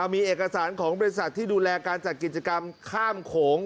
มีเอกสารของบริษัทที่ดูแลการจัดกิจกรรมข้ามโขง